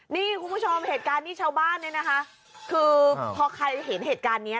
นี่คุณผู้ชมเหตุการณ์นี้ชาวบ้านเนี่ยนะคะคือพอใครเห็นเหตุการณ์เนี้ย